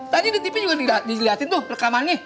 tadi di tv juga dilihatin tuh rekamannya